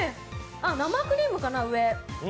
あっ、生クリームかな、上。